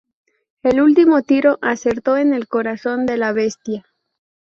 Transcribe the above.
El último tiro acertó en el corazón de la bestia.